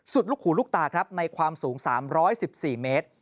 ลูกหูลูกตาครับในความสูง๓๑๔เมตร